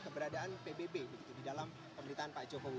keberadaan pbb begitu di dalam pemerintahan pak jokowi